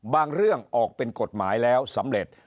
บางเรื่องออกเป็นกฎหมายแล้วสำเร็จ